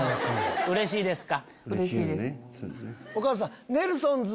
うれしいですか？